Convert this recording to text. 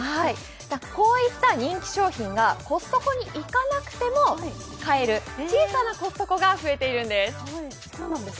こういった人気商品がコストコに行かなくても買える、小さなコストコが増えているんです。